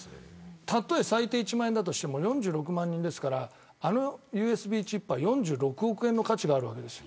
たとえ最低１万円だとしても４６万人ですからあのＵＳＢチップは４６億円の価値があるわけです。